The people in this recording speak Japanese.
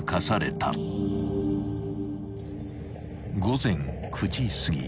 ［午前９時すぎ］